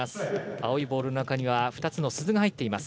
青いボールの中には２つの鈴が入っています。